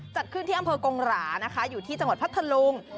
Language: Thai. จัดขึ้นที่อำเภอกงหรานะคะอยู่ที่จังหวัดพัทธลุง